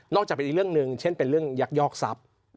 จากเป็นอีกเรื่องหนึ่งเช่นเป็นเรื่องยักยอกทรัพย์